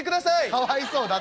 「かわいそうだって。